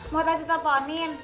mau tadi telfonin